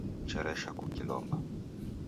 Cheresha kukilomba